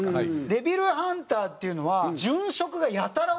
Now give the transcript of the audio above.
デビルハンターっていうのはふーん！